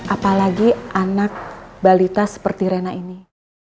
apalagi anak balita seperti rena ini